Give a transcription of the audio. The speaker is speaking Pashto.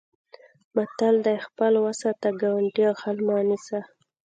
متل دی: خپل و ساته ګاونډی غل مه نیسه.